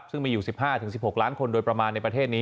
ซึ่งมีอยู่๑๕๑๖ล้านคนโดยประมาณในประเทศนี้